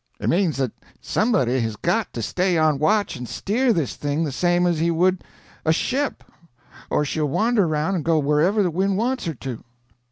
It means that somebody has got to stay on watch and steer this thing the same as he would a ship, or she'll wander around and go wherever the wind wants her to."